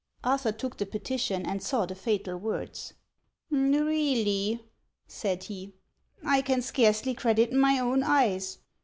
Arthur took the petition and saw the fatal words. " Really," said he, " I can scarcely credit my own eyes.